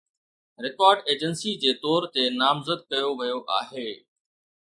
record agency جي طور تي نامزد ڪيو ويو آهي